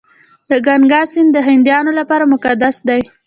د ګنګا سیند د هندیانو لپاره مقدس دی.